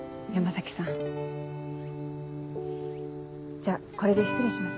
じゃこれで失礼します。